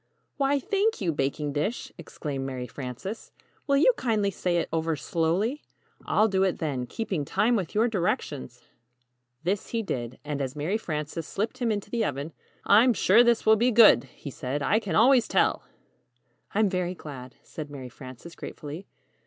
"Why, thank you, Baking Dish," exclaimed Mary Frances. "Will you kindly say it over slowly? I'll do it then, keeping time with your directions." This he did, and as Mary Frances slipped him into the oven, "I'm sure this will be good," he said; "I can always tell." [Illustration: "I'm sure this will be good"] "I'm very glad," said Mary Frances, gratefully.